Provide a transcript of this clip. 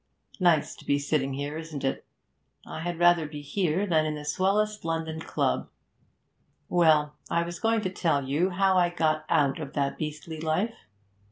'Nice to be sitting here, isn't it? I had rather be here than in the swellest London club. Well, I was going to tell you how I got out of that beastly life.